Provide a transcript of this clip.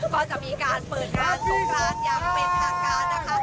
ก็จะมีการเปิดงานสงครานอย่างเป็นทางการนะคะ